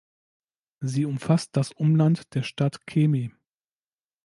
Sie umfasst das Umland der Stadt Kemi.